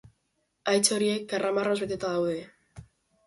Haitz horiek karramarroz beteta daude.